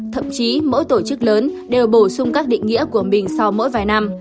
thậm chí mỗi tổ chức lớn đều bổ sung các định nghĩa của mình sau mỗi vài năm